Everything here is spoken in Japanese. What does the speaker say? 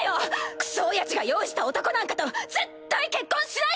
クソおやじが用意した男なんかと絶対結婚しないから！